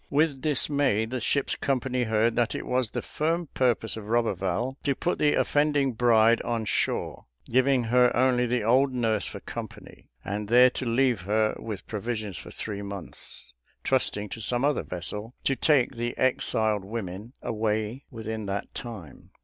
With dismay, the ship's company heard that it was the firm purpose of Roberval to put the offending bride on shore, giving her only the old nurse for company, and there to leave her with provisions for three months, trusting to some other vessel to take the exiled women away within that time.